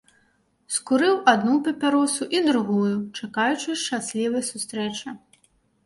Скурыў адну папяросу і другую, чакаючы шчаслівай сустрэчы.